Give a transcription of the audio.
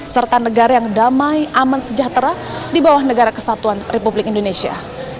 serta negara yang damai aman sejahtera di bawah negara kesatuan republik indonesia